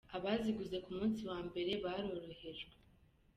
Abaziguze ku munsi wa mbere boroherejwe.